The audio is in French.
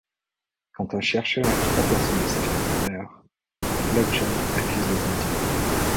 Quand un chercheur et trois personnes de sa famille meurent, Bludgeon accuse les Indiens.